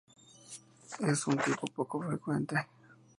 Es un tipo poco frecuente.